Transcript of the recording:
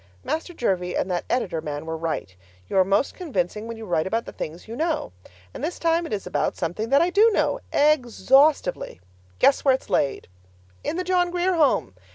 Master Jervie and that editor man were right; you are most convincing when you write about the things you know. And this time it is about something that I do know exhaustively. Guess where it's laid? In the John Grier Home!